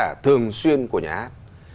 khán giả thường xuyên của nhà hát